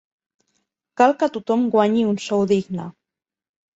Cal que tothom guanyi un sou digne.